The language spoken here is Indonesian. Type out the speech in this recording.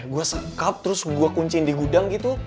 gua sekap terus gua kuncin di gudang gitu